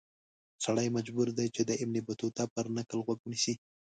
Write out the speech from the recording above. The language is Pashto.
سړی مجبور دی چې د ابن بطوطه پر نکل غوږ ونیسي.